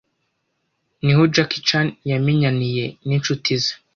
niho Jackie Chan yamenyaniye n’inshuti ze